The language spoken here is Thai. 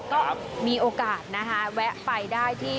ก็มีโอกาสนะคะแวะไปได้ที่